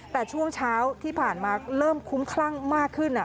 แต่ช่วงเช้าที่ผ่านมาเริ่มคุ้มคลั่งมากขึ้น